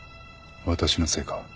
私のせいか？